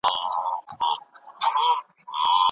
جنگ پر پوستين دئ -عبدالباري جهاني